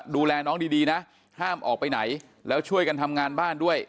ดูแลน้องดีนะห้ามออกไปไหนแล้วช่วยกันทำงานบ้านด้วย